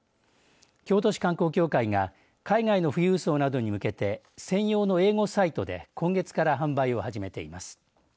京都市観光協会が海外の富裕層などに向けて専用の英語サイトで今月から販売を始めています。